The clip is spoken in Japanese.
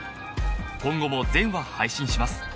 今後も全話配信します